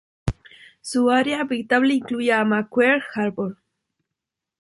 Su área habitable incluía a Macquarie Harbor.